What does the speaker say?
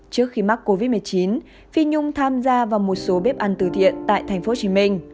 trước khi mắc covid một mươi chín phình nhung tham gia vào một số bếp ăn từ thiện tại tp hcm